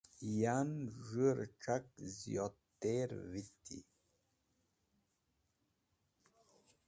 Yan z̃hũ rẽc̃hak ziyodter viti.